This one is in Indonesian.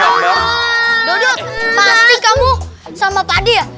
duduk pasti kamu sama pak d ya